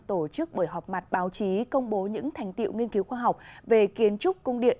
tổ chức bởi họp mặt báo chí công bố những thành tiệu nghiên cứu khoa học về kiến trúc cung điện